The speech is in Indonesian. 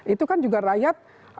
itu kan juga rakyat